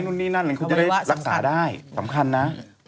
นู่นนี่นั่นเขาจะได้รักษาได้สำคัญนะ